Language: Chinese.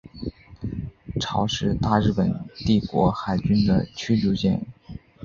潮是大日本帝国海军的驱逐舰。